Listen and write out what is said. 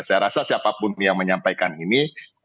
saya rasa siapapun yang menyampaikan ini